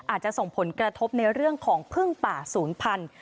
อาจจะส่งผลกระทบในเรื่องของพึ่งป่าศูนย์พันธุ์